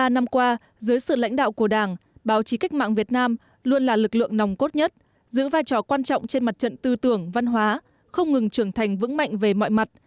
bốn mươi năm qua dưới sự lãnh đạo của đảng báo chí cách mạng việt nam luôn là lực lượng nòng cốt nhất giữ vai trò quan trọng trên mặt trận tư tưởng văn hóa không ngừng trưởng thành vững mạnh về mọi mặt